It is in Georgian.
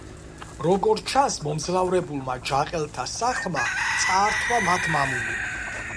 როგორც ჩანს, მომძლავრებულმა ჯაყელთა სახლმა წაართვა მათ მამული.